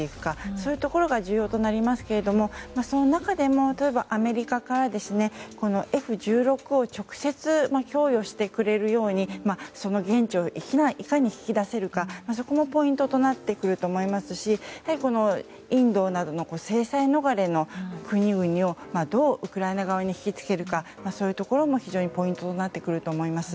そういうところが重要となりますけれどもその中でも、アメリカからＦ１６を直接、供与してくれるようにその言質をいかに引き出せるかそこもポイントになってくると思いますしインドなどの制裁逃れの国々をどうウクライナ側に引きつけるかもポイントになってくると思います。